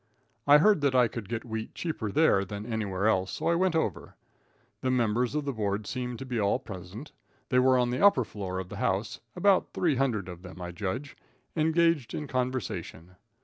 I heard that I could get wheat cheaper there than anywhere else, so I went over. The members of the Board seemed to be all present. They were on the upper floor of the house, about three hundred of them, I judge, engaged in conversation.